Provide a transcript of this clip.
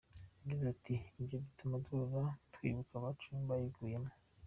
Yagize ati “ Ibyo bituma duhora twibuka abacu bayiguyemo.